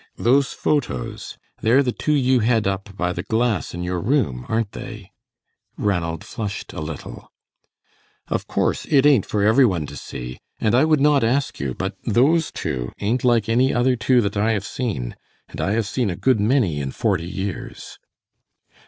"Those photos. They're the two you had up by the glass in your room, aren't they?" Ranald flushed a little. "Of course it ain't for every one to see, and I would not ask you, but those two ain't like any other two that I have seen, and I have seen a good many in forty years."